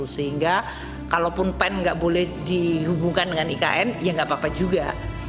sehingga kalaupun pen nggak boleh dihubungkan dengan ikn ya nggak apa apa juga